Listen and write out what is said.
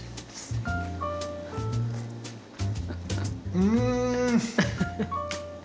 うん！